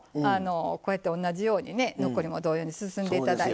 こうやって同じように残りも同様に包んで頂いて。